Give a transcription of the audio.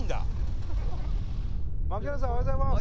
槙原さんおはようございます。